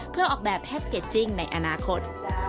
เพื่อออกแบบแพ็คเกจจิ้งในอนาคต